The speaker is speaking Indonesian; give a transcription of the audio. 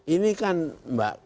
ini kan mbak